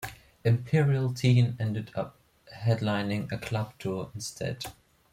Imperial Teen ended up headlining a club tour instead.